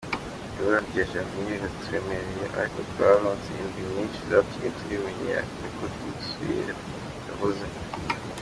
"Ibura rya Gervinho riraturemereye ariko twararonse indwi nyinshi zatumye tubimenyera," niko Dussuyer yavuze.